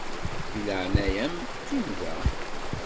Di leɛnaya-m qqim da.